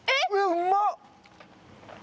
うまっ。